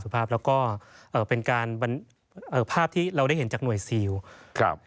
แล้วก็เป็นภาพที่เราได้เห็นจากหน่วยซีล